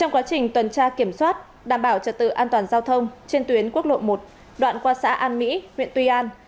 trong quá trình tuần tra kiểm soát đảm bảo trật tự an toàn giao thông trên tuyến quốc lộ một đoạn qua xã an mỹ huyện tuy an